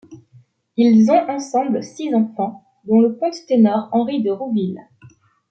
Ils ont ensemble six enfants, dont le contre-ténor Henry de Rouville.